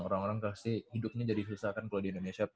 orang orang kasih hidupnya jadi susah kan kalau di indonesia